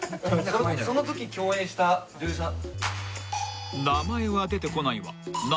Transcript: そのとき共演した女優さん。